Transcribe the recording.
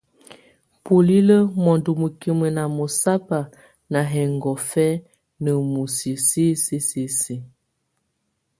Bulílə mɔndɔ mukimə ná mɔsábɔ ná hɛngɔfɛ́ ná musiə sisisisi.